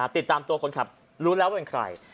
ติดตามตัวคนขับรู้แล้วว่าเป็นใคร